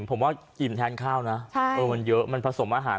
ผมว่าอิ่มแทนข้าวนะมันเยอะมันผสมอาหาร